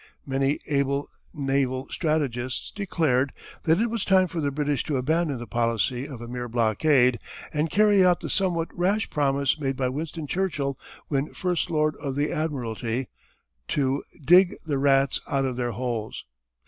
Many able naval strategists declared that it was time for the British to abandon the policy of a mere blockade and carry out the somewhat rash promise made by Winston Churchill when First Lord of the Admiralty, to "dig the rats out of their holes."